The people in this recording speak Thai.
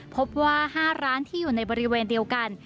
พบว่า๕ร้านที่อยู่ในบริเวณเดียวกัน